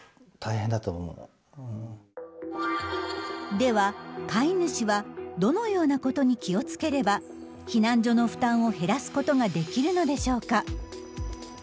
では飼い主はどのようなことに気を付ければ避難所の負担を減らすことができるのでしょうか。